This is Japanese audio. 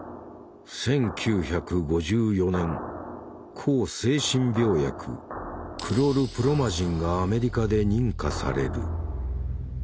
抗精神病薬クロルプロマジンがアメリカで認可される。